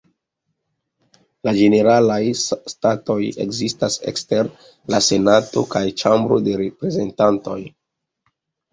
La Ĝeneralaj Statoj ekzistas ekster la Senato kaj Ĉambro de Reprezentantoj.